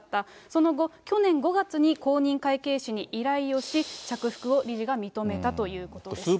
その後、去年５月に公認会計士に依頼をし、着服を理事が認めたということです。